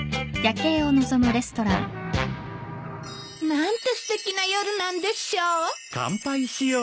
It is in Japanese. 何てすてきな夜なんでしょう！